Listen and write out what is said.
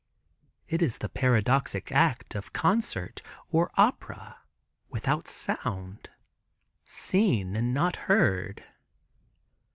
It is the paradoxic act of a Concert, or Opera, without sound—seen and not heard.